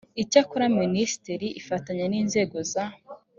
icyakora minisiteri ifatanya n inzego za